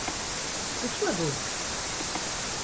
C’est toi donc !